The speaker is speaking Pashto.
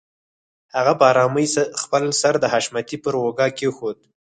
هغې په آرامۍ خپل سر د حشمتي پر اوږه کېښوده.